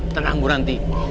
tenang bu ranti